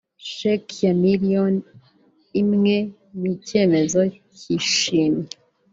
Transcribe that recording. sheki ya miliyoni imwe n’icyemezo cy’ishimwe